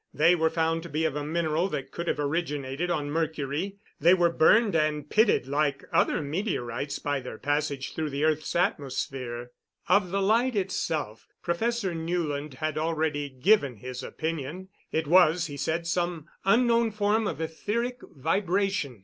They were found to be of a mineral that could have originated on Mercury. They were burned and pitted like other meteorites by their passage through the earth's atmosphere. Of the light itself Professor Newland had already given his opinion. It was, he said, some unknown form of etheric vibration.